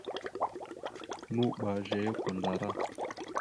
Nuɓa zeya kwandara.